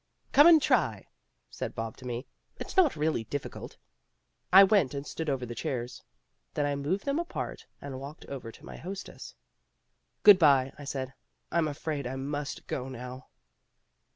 "Come and try," said Bob to me. "It's not really difficult." I went and stood over the chairs. Then I moved them apart and walked over to my hostess. "Good bye," I said; "I'm afraid I must go now."